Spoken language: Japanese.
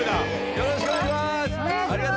よろしくお願いします。